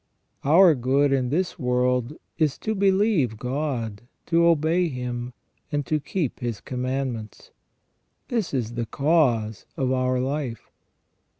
Our good in this world is to believe God, to obey Him, and to keep His com mandments ; this is the cause of our life.